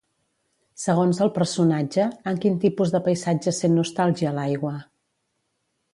Segons el personatge, en quin tipus de paisatges sent nostàlgia l'aigua?